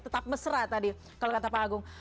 tetap mesra tadi kalau kata pak agung